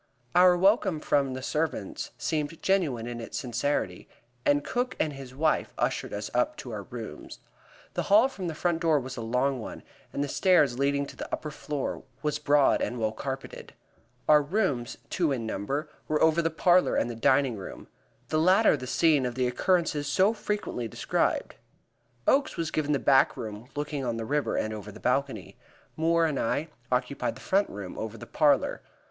Our welcome from the servants seemed genuine in its sincerity, and Cook and his wife ushered us up to our rooms. The hall from the front door was a long one, and the stairs leading to the upper floor was broad and well carpeted. Our rooms, two in number, were over the parlor and the dining room, the latter the scene of the occurrences so frequently described. Oakes was given the back room looking on the river, and over the balcony; Moore and I occupied the front room, over the parlor.